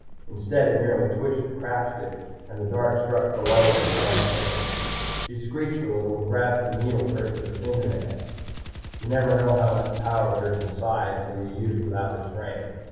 Instead it merely twitched the crap stick, and the dart struck Pheola in the left hand. She screeched a little and grabbed at the needle prick with her fingernails. You never know how much power there is in Psi until you use it without restraint.